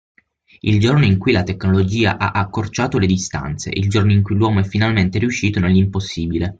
Il giorno in cui la tecnologia ha accorciato le distanze, il giorno in cui l'uomo è finalmente riuscito nell'impossibile.